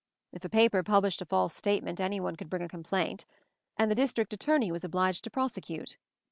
If a paper published a false statement anyone could bring a complaint; and the district attorney was obliged to prosecute.